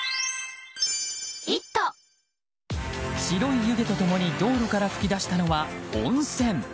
白い湯気と共に道路から噴き出したのは温泉。